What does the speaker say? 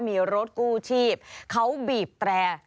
มีรถกู้ชีพเขาบีบแตร่